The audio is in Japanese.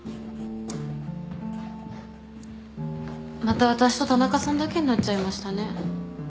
また私と田中さんだけになっちゃいましたね。